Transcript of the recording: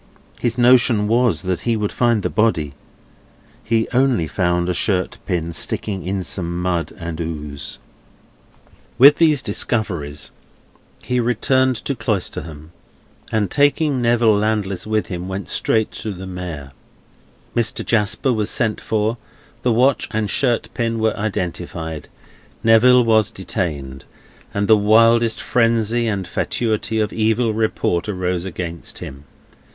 His notion was, that he would find the body; he only found a shirt pin sticking in some mud and ooze. With these discoveries he returned to Cloisterham, and, taking Neville Landless with him, went straight to the Mayor. Mr. Jasper was sent for, the watch and shirt pin were identified, Neville was detained, and the wildest frenzy and fatuity of evil report rose against him.